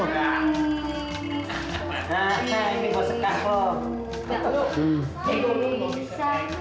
nah ini gue suka kok